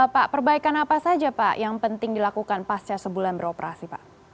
pak perbaikan apa saja pak yang penting dilakukan pasca sebulan beroperasi pak